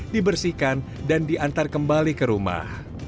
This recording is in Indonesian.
dibersihkan dan diantar kembali ke rumah